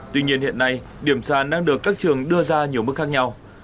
tuy nhiên hiện nay điểm sàn đang được các trường đưa ra nhiều mức khác nhau